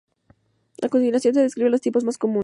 A continuación se describen los tipos más comunes.